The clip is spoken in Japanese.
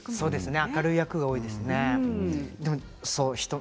明るい役が多いですね。